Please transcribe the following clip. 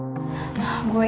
thank you rara